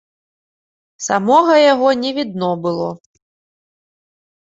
Самога яго не відно было.